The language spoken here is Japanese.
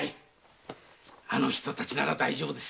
あの人たちなら大丈夫です。